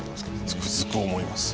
つくづく思います。